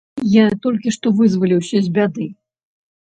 Я толькі што вызваліўся з бяды.